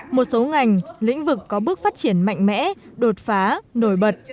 một số ngành lĩnh vực có bước phát triển mạnh mẽ đột phá nổi bật